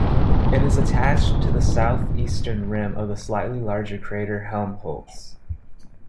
It is attached to the southeastern rim of the slightly larger crater Helmholtz.